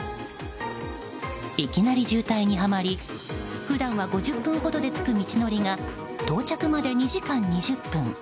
いきなり渋滞にはまり普段は５０分ほどで着く道のりが到着まで２時間２０分。